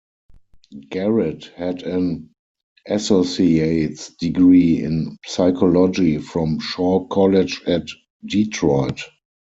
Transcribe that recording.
Garrett had an associate's degree in psychology from Shaw College at Detroit.